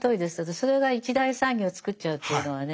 それが一大産業をつくっちゃうっていうのはね。